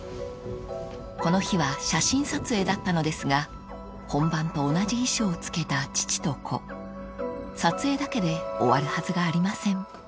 ［この日は写真撮影だったのですが本番と同じ衣装を着けた父と子撮影だけで終わるはずがありません］